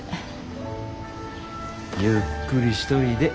ゆっくりしといで。